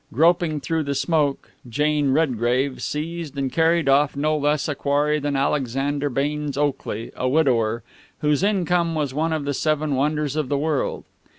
Groping through the smoke, Jane Redgrave seized and carried off no less a quarry than Alexander Baynes Oakley, a widower, whose income was one of the seven wonders of the world.